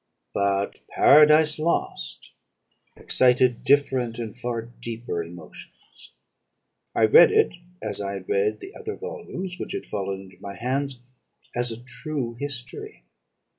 "But 'Paradise Lost' excited different and far deeper emotions. I read it, as I had read the other volumes which had fallen into my hands, as a true history.